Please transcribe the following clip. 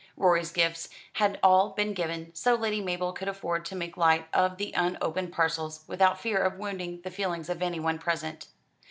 Rorie's gifts had all been given, so Lady Mabel could afford to make light of the unopened parcels without fear of wounding the feelings of anyone present.